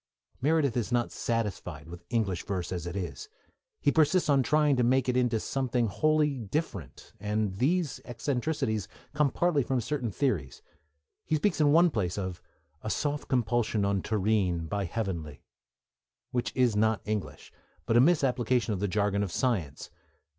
Meredith is not satisfied with English verse as it is; he persists in trying to make it into something wholly different, and these eccentricities come partly from certain theories. He speaks in one place of A soft compulsion on terrene By heavenly, which is not English, but a misapplication of the jargon of science.